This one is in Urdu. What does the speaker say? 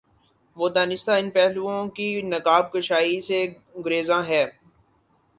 وہ دانستہ ان پہلوئوں کی نقاب کشائی سے گریزاں ہے۔